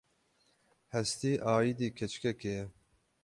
Hestî aîdî keçikekê ye.